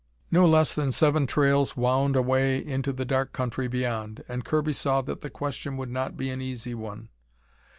No less than seven trails wound away into the dark country beyond, and Kirby saw that the question would not be an easy one.